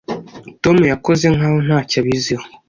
Tom yakoze nkaho ntacyo abiziho